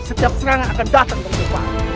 setiap serangan akan datang dari depan